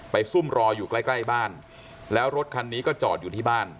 ซุ่มรออยู่ใกล้ใกล้บ้านแล้วรถคันนี้ก็จอดอยู่ที่บ้าน